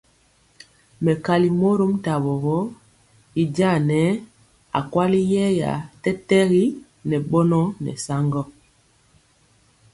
Mɛkali mɔrom tawo gɔ, y jaŋa nɛɛ akweli yeeya tɛtɛgi ŋɛ bɔnɔ nɛ saŋgɔ.